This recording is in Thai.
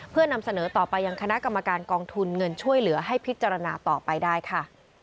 เพื่อนำเสนอต่อไปยังคณะกรรมการกองทุนเงินช่วยเหลือให้พิจารณาต่อไปได้ค่ะ